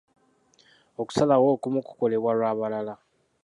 Okusalawo okumu kukolebwa ku lw'abalala.